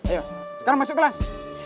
ayo sekarang masuk kelas